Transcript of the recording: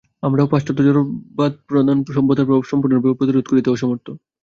আমরাও পাশ্চাত্য জড়বাদপ্রধান সভ্যতার প্রভাব সম্পূর্ণরূপে প্রতিরোধ করিতে অসমর্থ।